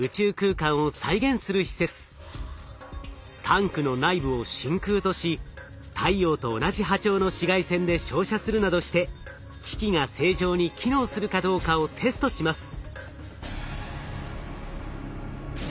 タンクの内部を真空とし太陽と同じ波長の紫外線で照射するなどして機器が正常に機能するかどうかをテストします。